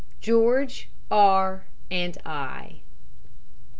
"GEORGE R. AND I."